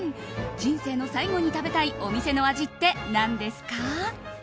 人生の最後に食べたいお店の味って何ですか？